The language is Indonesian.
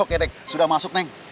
oke dek sudah masuk neng